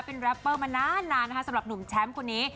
เป็นแรปเปอร์มานานนะคะสำหรับหนุ่มแชมป์คนนี้